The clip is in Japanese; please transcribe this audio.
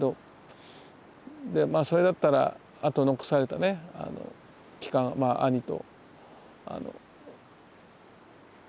でまあそれだったらあと残されたね期間兄と。